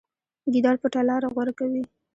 ګیدړ پټه لاره غوره کوي.